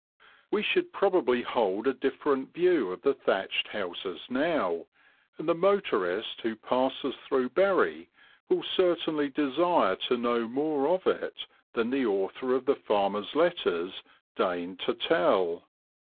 We should probably hold a different view of the thatched houses now, and the motorist who passes through Bury will certainly desire to know more of it than the author of the Farmer's Letters deigned to tell.